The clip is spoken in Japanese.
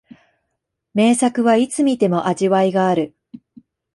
名作はいつ観ても味わいがある